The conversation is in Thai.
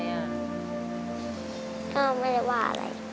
ไม่รู้ว่าอะไร